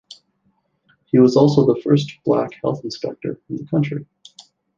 He was also the first black health inspector in the country.